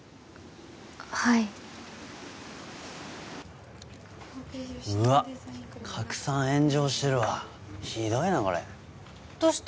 はいうわ拡散炎上してるわひどいなこれどうした？